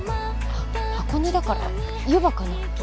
箱根だから湯葉かな？